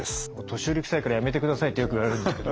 年寄りくさいからやめてくださいってよく言われるんですけど。